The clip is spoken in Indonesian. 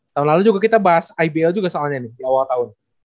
tahun lalu juga kita bahas ibl juga soalnya nih di awal tahun